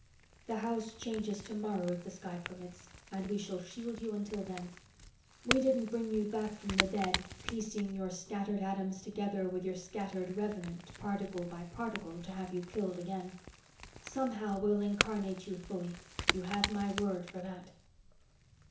The House changes tomorrow, if the sky permits, and we shall shield you until then. We didn't bring you back from the dead, piecing your scattered atoms together with your scattered revenant particle by particle, to have you killed again. Somehow, we'll incarnate you fully! You have my word for that."